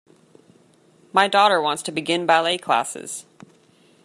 My daughter wants to begin ballet classes.